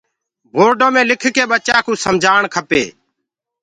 پورڊو مي لِک لي ٻچآ ڪو سمجهآڻ کپي۔